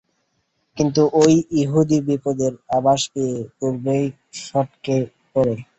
কিন্তু ঐ ইহুদী বিপদের আভাস পেয়ে পূর্বেই সটকে পড়ে।